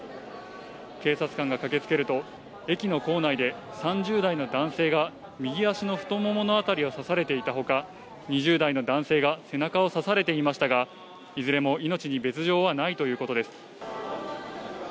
警察官が駆けつけると、駅の構内で３０代の男性が右足の太ももの辺りを刺されていたほか、２０代の男性が背中を刺されていましたが、いずれも命に別状はないということです。